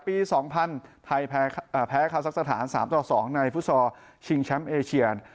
ปี๒๐๐ไทยแพ้คาซักสถาน๓ต่อ๒ในฟุตซอลชิงแชมป์เอเชียน